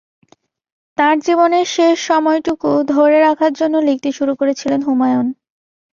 তাঁর জীবনের শেষ সময়টুকু ধরে রাখার জন্য লিখতে শুরু করেছিলেন হুমায়ূন।